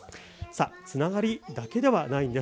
つながりだけではないんです。